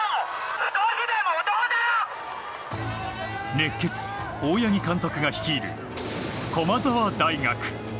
熱血、大八木監督が率いる駒澤大学。